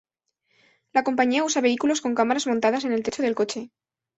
La compañía usa vehículos con cámaras montadas en el techo del coche.